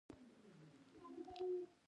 پارلمان او ویلیم جرګه شول.